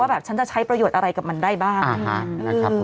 ว่าแบบเช่นถ้าใช้ประโยชน์อะไรกับมันได้บ้างอืมแล้วครับ